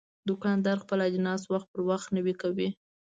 دوکاندار خپل اجناس وخت پر وخت نوی کوي.